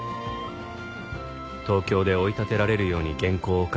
東京で追い立てられるように原稿を書き